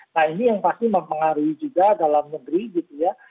nah ini yang pasti mempengaruhi juga dalam negeri gitu ya